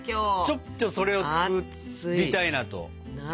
ちょっとそれを作りたいなと。